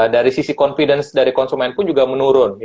dari sisi confidence dari konsumen pun juga menurun